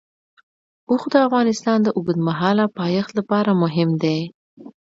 اوښ د افغانستان د اوږدمهاله پایښت لپاره مهم دی.